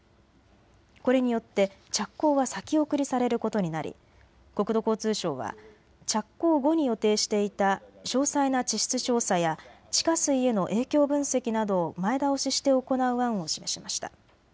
これによって着工は先送りされることになり国土交通省は着工後に予定していた詳細な地質調査や地下水への影響分析などを前倒しして行う案を示しました。